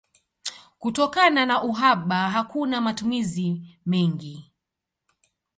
Kutokana na uhaba hakuna matumizi mengi.